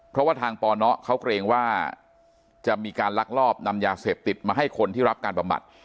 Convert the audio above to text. เพราะว่าทางปนเขาเกรงว่าจะมีการลักลอบนำยาเสพติดมาให้คนที่รับการบำบัด